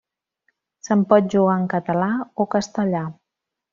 Se'n pot jugar en català o castellà.